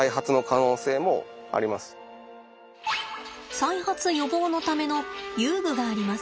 再発予防のための遊具があります。